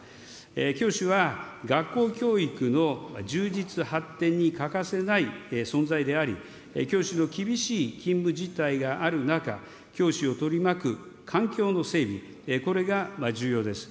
教師は、学校教育の充実発展に欠かせない存在であり、教師の厳しい勤務実態がある中、教師を取り巻く環境の整備、これが重要です。